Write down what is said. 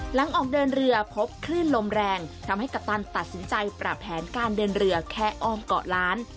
หลังออกเดินเรือพบคลื่นลมแรงทำให้กัปตันตัดสินใจปรับแผนการเดินเรือแค่อ้อมเกาะล้าน